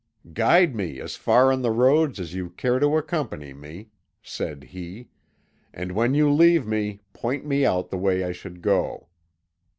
'Guide me as far on the road as you care to accompany me,' said he, 'and when you leave me point me out the way I should go.'